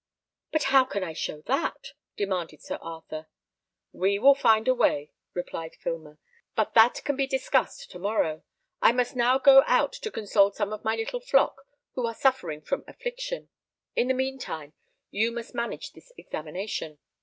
"But how can I show that?" demanded Sir Arthur. "We will find a way," replied Filmer; "but that can be discussed to morrow. I must now go out to console some of my little flock who are suffering from affliction. In the mean time you must manage this examination.